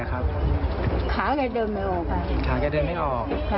ขาเดินไม่ออก